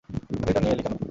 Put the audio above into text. হাতিটা নিয়ে এলি কেন?